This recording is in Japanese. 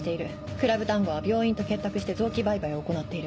「クラブ・タンゴは病院と結託して臓器売買を行っている」。